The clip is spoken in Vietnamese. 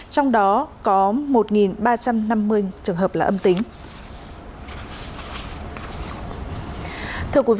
trong đó có một ba trăm năm mươi trường hợp là âm tính